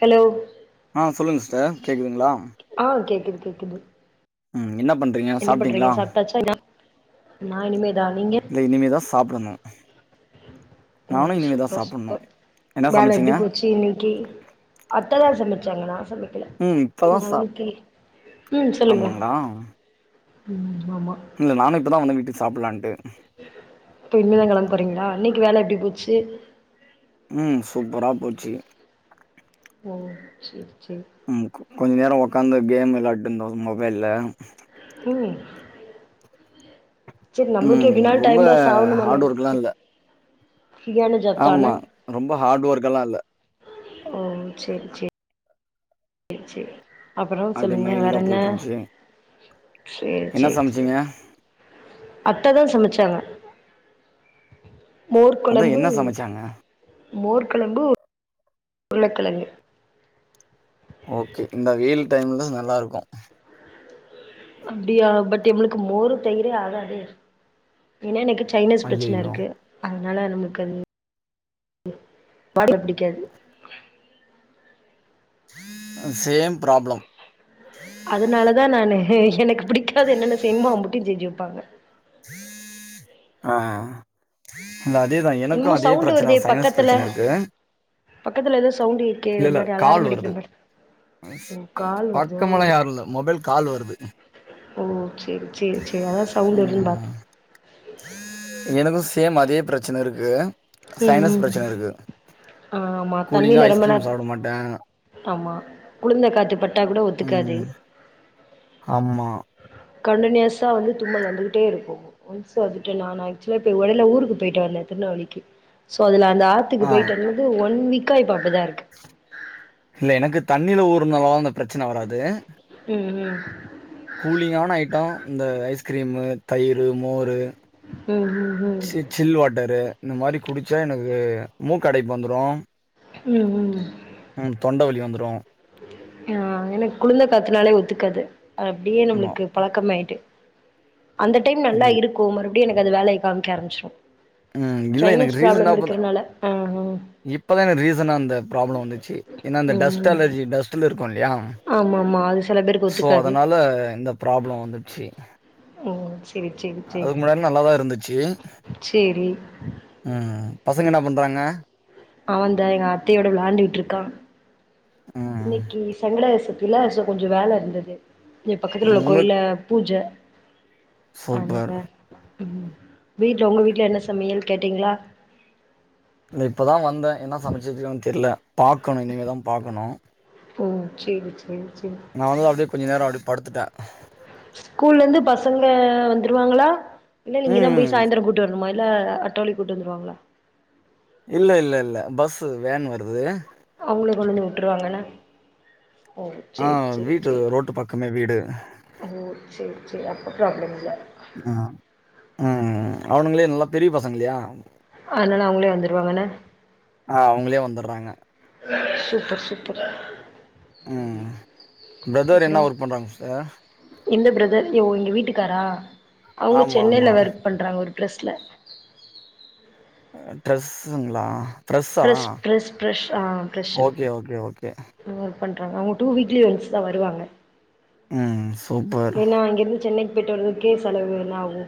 Hello ஆ சொல்லுங்க sister கேட்குதுங்களா ஆ கேக்குது கேக்குது ம் என்ன பண் என்ன பண்றீங்க சாப்டாச்சா நா நா இனிமேதா நீங்க இல்ல இனிமேதா சாப்டணும் ஓ நானு இனிமேதா சாப்புணும் என்ன சமச்சிங்க ச்சு இன்னைக்கு அத்ததா சமைச்சாங்கா நா சமை க்கல ம் இப்பதா நா சா இன்னைக்கி ம் சொல்லுங்க ஆமாங்களா ம் ஆமா இல்ல நானும் இப்பதா வந்தே வீட்டுக்கு சாப்பலான்ட்டு இப்போ இனிமேதா கெளம்போறீங்களா இன்னைக்கு வேல எப்டி போச்சு ம் சூப்பரா போச்சி ஓ சேரி சேரி ம் கொஞ்ச நேரோ ஒக்காந்து கேம் விளாட்டு இருந்தோ மொபைல்ல ம் சேரி நம்பளுக்கே ம் எப்பின்நாலும் ரொம்ப டைம்பாஸ் ஆகணும் தானே ஹார்ட் ஒர்க்லா இல்ல ஃப்ரீயான ஜாப் ஆமா தான ரொம்ப ஹாட் ஒர்க் எல்லா இல்ல ஓ சேர் சேரி சேர் சேரி அப்பறோ அப்டியே சொல்லுங்க வேற மைல்டா என்ன போயிட்டு இருந்துச்சு சேர் என்ன சேரி சமச்சீங்க அத்ததா சமச்சாங்க மோர் அதா கொழம்பு என்ன சமச்சாங்க மோர் கொழம்பு உருளக்கெழங்கு ஓகே இந்த வெயில் டைம்ல்ல நல்லா இருக்கும் அப்டியா பட் இவனுக்கு மோரு தயிரே ஆகாதே ஏனா எனக்கு சைனஸ் பிரச்சன ஐயையோ இருக்கு அதனால நமக்கு அது பாட புடிக்காது சேம் பிராப்ளம் அதனால தா நானு எனக்கு பிடிக்காது என்னென்ன செய்னுமோ அம்புட்டயு செஞ்சு வெப்பாங்க ஆ இல்ல அதேதா எனக்கும் என்னமோ அதே சவுண்டு பிரச்சன வருதே சயின்னஸ் பக்கத்துல பிரச்சன இருக்கு பக்கத்துல எதோ சவுண்டு கேக்கே இல்ல ஒரு இல்ல மாரி கால் அலாரம் அடிக்கிற வருது மாரி ஓ கால் வருதோ பக்கமெல்லா யாரும் இல்ல மொபைல் கால் வருது ஓ செரி ம் எனக்கும் சேம் அதே பிரச்சன இருக்கு ம் சைனஸ் ம் பிரச்சன இருக்கு ஆமா கூலிங்கா தண்ணில ரெம்ப ஐஸ்கிரீம் நேரோ சாப்ட மாட்டே ஆமா குளுந்த காத்து பட்டா கூட ஒத்துக்காது ம் ஆமா கண்டடினியூஸா வந்து தும்பல் வந்துக்கிட்டேருக்கு ஒன்ஸ் வந்துட்டுனா ஆக்சுவலா இடைல உடல ஊருக்கு போய்ட்டு வந்தே திருநெல்வேலிக்கு சோ அதுல அந்த ஆத்துக்கு ஆ போய்ட்டு வந்தது ஒன் வீக்கா இப்ப அப்டிதாருக்கு இல்ல எனக்கு தண்ணில ஊறனால அந்த பிரச்சன வராது ம் ம் கூலிங்கான ஐட்டம் இந்த ஐஸ்கிரீமு தயிரு மோரு ம் ஹும் ம் சி சில் வாட்டரு இந்த மாரி குடிச்சா எனக்கு மூக்கடைப்பு வந்துறு ம் ம் ம் தொண்ட வலி வந்துறு ஆ எனக்கு குளுந்த காத்துனாலே ஒத்துக்காது அப்டியே ஆமா நம்மளுக்கு பழக்கம் ஆயிட்டு அந்த டைம் ம் நல்லா இருக் கு மறுபடி எனக்கு அது வேலய காமிக்க ஆரம்பிச்சுரு ம் இல்ல எனக்கு ரீசன்டாப்போல ஆ ஆ இப்பதா என ரீசன்டா அந்த ப்ராப்ளம் வந்துச்சு ஏனா அந்த டஸ்ட் ம் அலர்ஜி டஸ்ட் த்துலருக்கு இல்லயா ஆமா ஆமா அது சில பேருக்கு சோ ஒத்துக்காது அதனால இந்த பராப்ளோ வந்துச்சு ஓ செரி செரி செரி நல்லா தான் இருந்துச்சு. சேரி ம் பசங்க என்ன பண்றாங்க அவன்ந்த்த எங்க அத்தையோட விளாண்டுட்டுருக்கா ம். இன்னைக்கி சங்கடசத்துர்த்தில கொஞ்சோ வேலருந்துது இல்ல பக்கத்துல உள்ள உங்களுக்கு கோயில பூஜ அதனால சூப்பர். ம் வீட்ல உங்க வீட்ல என்ன சமையல் கேட்டீங்களா இல்ல இப்ப தா வந்த என்ன சமச்சி வச்சிருக்காங்கனு தெர்ல பாக்கணு இனிமே தா பாக்கணு ஓ சேரி சேரி சேரி நா வந்து அப்டியே கொஞ்சோ நேரோ அப்டி படுத்துட்டே ஸ்கூல்லருந்து பசங்க வந்துருவாங்களா இல்ல நீங்க தா போய் ம். சாய்ந்தரோ கூட்டி வரனுமா இல்ல அட்டோலே கூட்டு வந்துருவாங்களா இல்ல இல்ல இல்ல பஸ்ஸு வேன் வருது அவுங்ளே கொண்டு வந்து வுட்டுருவாங்கன்னா ஆ வீடு சேரி ரோட்டு பக்கமே வீடு ஓ சேரி சேரி அப்போ ப்ராப்ளம் இல்ல ம் ம் அவனுங்களே நல்லா பெரிய பசங்க இல்லயா அதனால அவுங்களே வந்துடுவாங்கன்ன ஆ அவங்களே வந்துட்றாங்க சூப்பர் சூப்பர் ம் பிரதர் என்ன ஒர்க் பண்றாங்க சிஸ்டர் எந்த பிரதர் ய எங்க வீட்டுக்காரா அவுங்க ஆமா ஆமா சென்னைல ஒர்க் பண்றாங்க ஒரு ப்ரஸ்ல அ ட்ரெஸ்ஸுங்ளா பிரெஷ் பிரெஷ் பிரெஷ் ஆ பிரெஷ்ஷு ஓகே ஓகே ஓகே அவ்ங்க ஒர்க் பண்றாங்க அவ்ங்க டூ வீக்லீ ஒன்ஸ் தா வருவாங்க ம் சூப்பர் ஏனா அங்கிருந்து சென்னைக்கு போய்ட்டு வர்ரது இங்கே செலவு என்ன ஆவு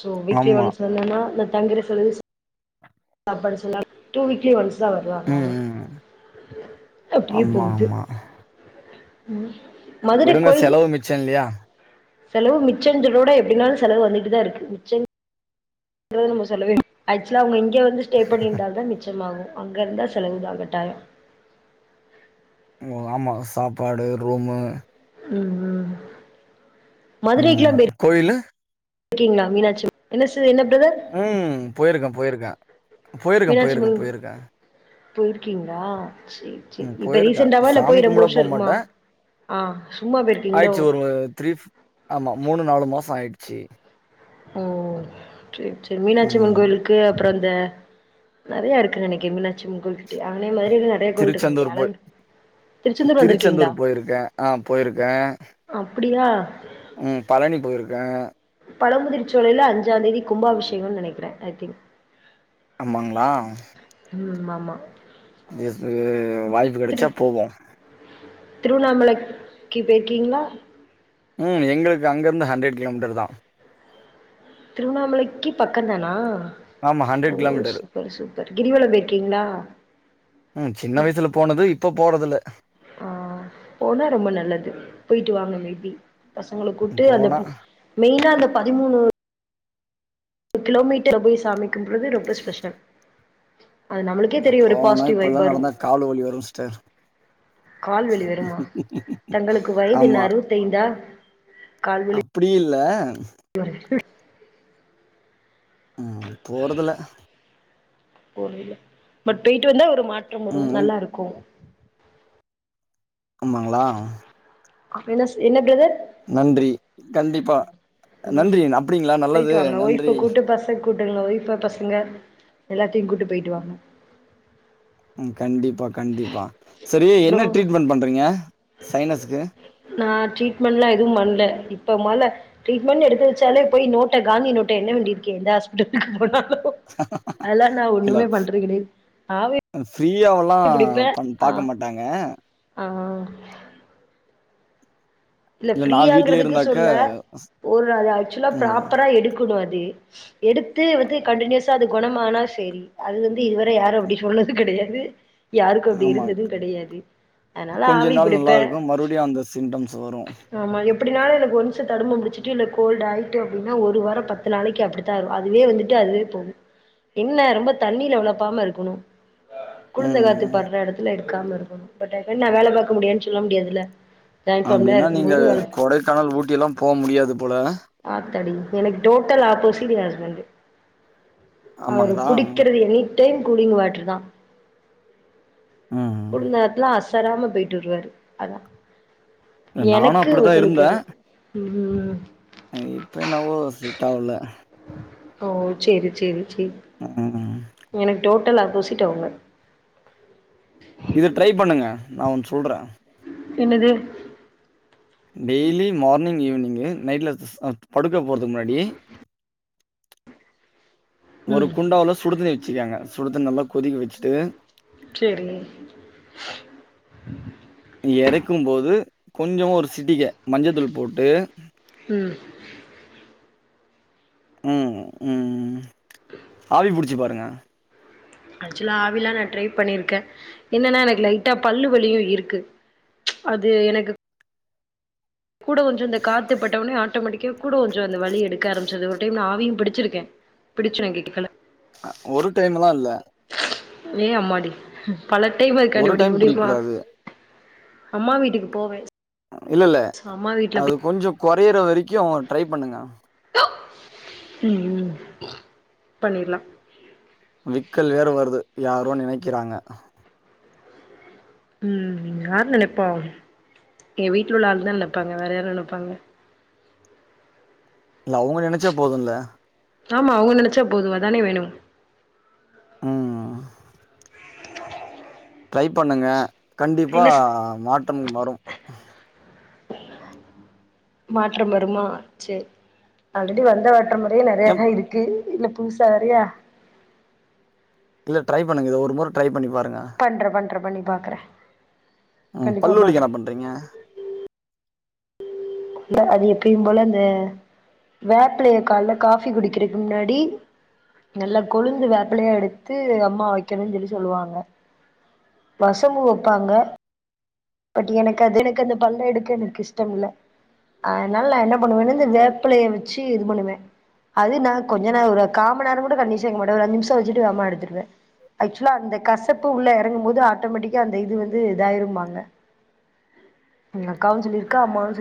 சோ வீக்லி ஆமா ஒன்ஸ் வந்தனா இந்த தங்குற செலவு சாப்பாடு சொல்லா டூ வீ்க்லி ஒன்ஸ் தா வருவாங்க ம் அவங்க ம் அப்டியே ஆமா போது ஆமா ம் மதுர விடுங்க கோயில் செலவு மிச்சோ இல்லையா செலவு மிச்செஞ்சலோட எப்டினாலு செலவு வந்துட்டு தா இருக்கு மிச்சங் குறது நம்ம சொல்லவே ஆக்சுவலா அவங்க இங்கே வந்து ஸ்டே பண்ணிருந்தால் தா மிச்சமாகு அங்க இருந்தா செலவு தா கட்டாயோ ம் ஆமா சாப்பாடு ரூமு ம் ம் மதுரைக்குல்லா ம் போய் கோயிலு கீங்ளா மீனாட்சி அம் என்ன சு என்ன பிரதர் ம் போய் இருக்க போய் இருக்க மீனாட்சி அம்மன் போய்ருக்கீங்ளா செ செ ம் இப்ப போயிருக்கே ரீசெண்டாவா இல்ல சாமி போய் ரொம்ப கும்பிட வருஷோ இருக்குமா போமாட்டே ஆ சும்மா போய் இருக்கீங்ளோ ஆயிடுச்சு ஒரு த்ரீ ஃப் ஆமா மூணு நாலு மாசோ ஆய்டுச்சு ஓ செர் செர் மீனாட்சி அம்மன் ம் கோயிலுக்கு அப்ற அந் த நறைய இருக்கு நனைக்க மீனாச்சி அம்மன் கோயில் கிட்டய அனே மரேல திருச்செந்தூர் போய் திருச்செந்தூர் போய் இருக்க ஆ போய் இருக்க அப்டியா ம் பழனி போய் இருக்க பழமுதிர் சோலைல அஞ்சாந் தேதி கும்பாபிஷேகோ நெனைக்குற ஐ திங்க் ஆமாங்ளா ம் ஆமா இயேசுவே வாய்ப்பு கெடச்சா போவோ திருவண்ணாமலைக்கி போய் இருக்கிங்ளா ம் எங்களுக் அங்க இருந்து ஹண்ரெட் கிலோமீட்டர் தா திருவண்ணாமலைக்கி பக்கந் தானா ஆமா ஓ ஹண்ட்ரட் கிலோமீட்டரு சூப்பர் சூப்பர் கிரிவலொ போய்ருக்கீங்ளா ம் சின்ன வயசுல போனது இப்போ போறதுல்ல ஆ போனா ரொம்ப நல்லது போய்ட்டு வாங்க மேபி பசங்கள கூட்டு அந்த போனா பூ மெயின்னா அந்த பதிமூணு ப கிலோமீட்டர்ல போய் சாமி கும்புறது ரொம்ப ஸ்பெஷல் அது நம்ளுக்கே தெரியு ஒரு போனா பாசிட்டிவ் வைப் இப்பல்லா வரு நடந்தா காலு வலி வரு சிஸ்டர் கால் வலி வருமா தங்களுக்கு வயது என்ன ஆமா அறுவத்தைந்தா கால் வலி இப்டி இல்ல [unintelligible] ம் போறதுல்ல பட் போய்ட்டு வந்தா ஒரு மாற்றம் வரு ம் ம் நல்லா இருக்கு அமாங்களா அப்டினா சு என்ன பிரதர் நன்றி கண்டிப்பா நன்றின் அப்டிங்ளா நல்லது நன்றி கூட்டனுங்க வைஃப பசங்க எல்லாத்தையு கூட்டு போய்ட்டு வாங்க ம் கண்டிப்பா கண்டிப்பா சரி அப்றோ என்ன ட்ரீட்மெண்ட் பண்றீங்க சைனஸ்க்கு நா ட்ரீட்மெண்ட்லா எதுவு பண்ல இப்ப மழ ட்ரீட்மண் எடுத்துவெச்சாலே போய் நோட்ட காந்தி நோட்ட எண்ண வேண்டி இருக்கே எந்த ஹாஸ்பிடல்கு போனாலு அதெல்லா நா ஒண்ணுமே பண்ற கெடையு ஆவி அ ஃப்ரீயாவுல்லா புடிப்பே பண் ஆ பாக்க மாட்டாங்க ஆ இல்ல நா வீட்லயே ஃப்ரீயாங்கறதுக்கு இருந்தாக்க சொல்ல ஒரு அது ஆக்சுவலா ம் ப்ராப்பரா எடுக்கணும் அது எடுத்து வந்து கண்டடினியூஸா அது குணமானா செரி அது வந்து இதுவர யாரும் அப்டி சொல்றது கெடையாது யாருக்கும் அப்டி ஆமா இருந்ததும் கெடையாது அதனால ஆவி பிடிப்பேன் மறுபடியும் அந்த சீ சிம்டம்ஸ் வரூ ஆமா எப்டினாலூ எனக்கு ஒ ஒருச தடுமம்புடிச்சட்டு இல்ல கோல்டு ஆயிட்டு அப்டின்னா ஒரு வாரம் பத்து நாளைக்கு அப்டி அதுவே வந்துட்டு அதுவே போகும் என்ன ரொம்ப தண்ணீல வெளப்பாம இருக்கணும் கொழுந்த எல்லாத்து ம் படுற இடத்துல இருக்கு க்காம் இருக்கணு பட் ஐ [unintelligible] நா வேலை பாக்க முடியுனு சொல்ல முடியாதுல ஜாயின் ஃபேம் வேற அப்டின்னா இருக் நீங்க கொடைக்கானல் ஊட்டி எல்லாம் போக முடியாது போல அத்தாடி எனக்கு டோட்டல் ஆப்போசிட் எ ஹஸ்பண்ட் அவரு ஆமாங்களா குடிக்கிறது எனி டைம் கூலிங் வாட்டர் தான் ஆ குளிர் நேரத்துலாம் அசராம போயிட்டு வருவாரு அதான் நானு எனக்கு அப்டித்தா ஒத்துழைக்காது உம்ம் அ இப்ப என்னவோ செட் ஆகல ஓ சேரி சேரி சேர் ஆஆ எனக்கு டோட்டல் ஆப்போசிடிட் அவுங்க இத ட்ரை பண்ணுங்க நான் ஒன்னு சொல்றேன் என்னது டெய்லி மார்னிங் ஈவ்னிங் நைட்ல சாப்ட் படுக்க போறதுக்கு முன்னாடி ஒரு ம் குண்டாவ்ல சுடுதண்ணி வச்சு வச்சுக்காங்க சுடுத்தண்ணி நல்லா கொதிக்க வச்சுட்டு சேரி இறக்கும் போது கொஞ்சம் ஒரு சிட்டிக மஞ்சத்தூள் போட்டு உம் உம் உம் ஆவி புடிச்சு பாருங்க ஆக்சுவலா ஆவிலாம் நான் ட்ரை பண்ணிருக்கேன் என்னன்னா எனக்கு லைட்டா பல்லு வலியும் இருக்கு அது எனக்கு கூட கொஞ்சோ அந்த காத்துப்பட்டவுனே ஆட்டோமேட்டிக் க்கா கூட கொஞ்சோ அந்த வலி எடுக்க ஆரம்பச்சது ஒரு டைம் நா ஆவியும் பிடிச்சிருக்கே பிடுச்சு கேக்கல அ ஒரு டைம்லா இல்ல ஏ அம்மாடி பல டைம் அதுக்காண்டி ஒரு பிடிக்க டைம் புடிக்க முடியுமா கூடாது அம்மா வீட்டுக்கு போவேன் இல்ல இல்ல அது கொஞ்சோம் குறையுற வரைக்கும் ட்ரைப் பண்ணுங்க உம்ம் பண்ணிரலாம் விக்கல் வேற வருது யாரோ நெனைக்கிறாங்க உம் யாரு நெனப்பா என் வீட்ல உள்ள ஆளுதான் நெனப்பாங்க வேற யாரு நெனப்பாங்க இல்ல அவுங்க நெனைச்சா போதுல்ல ஆமா அவுங்க நெனைச்சா போது அதானே வேணும் ம். ட்ரை பண்ணுங்க கண்டிப்பா என்ன ஸ் மாற்றம் வரும் மாற்றம் வருமா சேரி ஆல்ரெடி வந்தவாற்றமே முறையே நெறைய எம் தான் இருக்கு து இதுல புதுசா வேறயா இல்ல ட்ரை பண்ணுங்க இத ஒரு முறை ட்ரை பண்ணி பாருங்க பண்ற பண்ற பண்ணி பாக்குறே ம் கண்டிப்பா பல்லு பாக்குறே வலிக்கென்ன பண்றீங்க த அது எப்யும் போல அந்த வேப்பிலய கால காஃபி குடிக்குறக்கு முன்னாடி நல்ல கொழுந்து வேப்பிலயா எடுத்து அம்மா வெக்கணுன் சொல்லி சொல்லுவாங்க வசம்பு வப்பாங்க பட் எனக்கு அது எனக்கு அந்த பல்ல எடுக்க எனக்கு இஷ்டம் இல்ல அதனால நா என்ன பண்ணுவேன்னு இந்த வேப்பலய வச்சு இது பண்ணுவ அது நா கொஞ்ச நே ஒரு காம்மநேர கூட கண்டினியுஸா வெக்க மாட்ட ஒரு அஞ்ச நிமிஷ வச்சுட்டு வேமா எடுத்துருவே அக்சுவலா அந்த கசப்பு உள்ள இறங்கும் போது ஆட்டோமெட்டிக்கா அந்த இது வந்து இதாயிரும்பாங்க எங்க அக்காவு சொல்லி இரு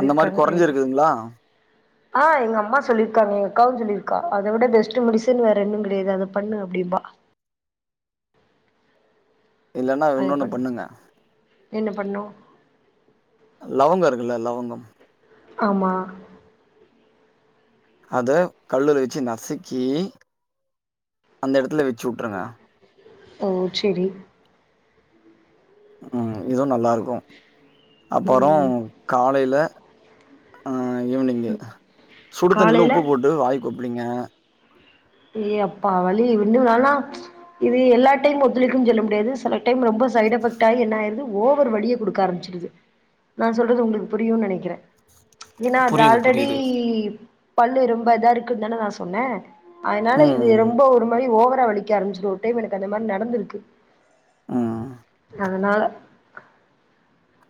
அந்த மாரி கொறஞ்சி இருக்குங்களா ஆ எங்கம்மா சொல்லிருக்காங்க எங்க அக்காவு சொல்லியிருக்கா அதவுட பெஸ்ட்டு மெடிசன் வேற என்னும் கிடயாது அத பண்ணு அப்டிம்பா இல்லன்னா அது இன்னொன்னு பண்ணு பண்ணுங்க. என்ன பண்னோ லவங்க இருக்குல்ல லவங்கம் ஆமா அத கல்லுல வச்சு நசுக்கி அந்த இடத்துல வெச்சுவுட்டுருங்க ஒ செரி ம் இதுவு நல்லா இருக்கு அப்புற ம் காலையில அ ஈவினிங்கு சுடு தண்ணில காலைல உப்பு போட்டு வாய் கொப்ளிங்க ஏ அப்பா வலி விண்ணு வேணா இது எல்லா டைம் ஒத்துழைக்கும் சொல்ல முடியாது செல டைம் ரொம்ப சைட் எஃபக்டு ஆய் என்ன ஆயிருது ஓவர் வலிய குடுக்க ஆரம்பச்சிருது நா சொல்றது உங்ளுக்கு புரியுனு நினைக்கிற ஏனா அது புரியுது, ஆல்ரெடி புரியுது. பல்லு ரொம்ப இதா இருக்கு தான நா சொன்ன அதனால இது ம். ரொம்ப ஒரு மாரி ஓவரா வலிக்க ஆரம்பிச்சிரும் ஒரு டைம் எனக்கு அந்த மாரி நடந்திருக்கு ஆ அதனால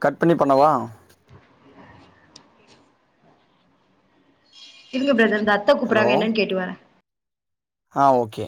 கட் பண்ணி பண்ணவா இருங்க பிரதர் இந்த அத்த ஹலோ. கூப்புறாங்க என்னனு கேட்டு வர ஆ ஓகே